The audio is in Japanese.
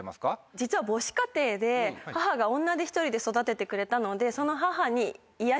実は母子家庭で母が女手一人で育ててくれたのでその。